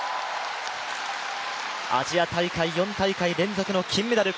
アジア大会４大会連続の金メダル。